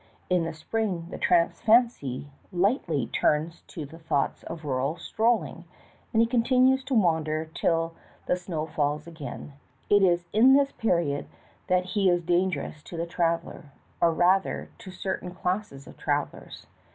In the spring the tramp's fancy lightly turns to thoughts of rural strolling, and he continues to wander till the. 228 THE TALKING HANDKERCHIEF. snows fall again. It is in this period that he is dangerous to the traveler, or rather to certain classes of travelers.